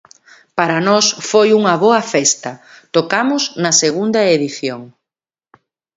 Para nós foi unha boa festa, tocamos na segunda edición.